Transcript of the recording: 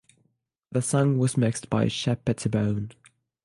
The song was mixed by Shep Pettibone.